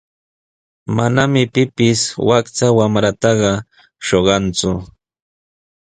Manami pipis wakcha wamrataqa shuqanku.